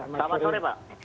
selamat sore pak